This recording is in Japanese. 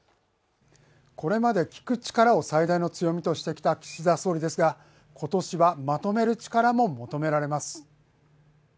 これまで聞く力を最大の強みとしてきた岸田総理ですが、今年はまとめる力も求められます。